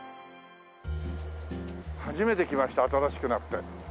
初めて来ました新しくなって。